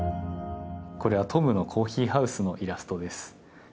これはトムのコーヒーハウスのイラストです。